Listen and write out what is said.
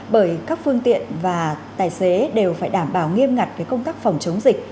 bởi các phương tiện và tài xế đều phải đảm bảo nghiêm ngặt công tác phòng chống dịch